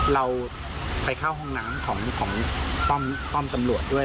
เราไปเข้าห้องน้ำของป้อมตำรวจด้วย